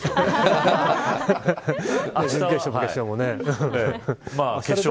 準決勝も決勝もね。